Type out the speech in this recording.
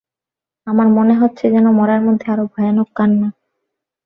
আমার মনে হচ্ছে যেন মরার মধ্যে আরো ভয়ানক কান্না।